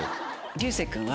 流星君は。